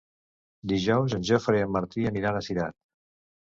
Dijous en Jofre i en Martí aniran a Cirat.